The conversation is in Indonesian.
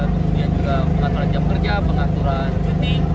kemudian juga pengaturan jam kerja pengaturan cuti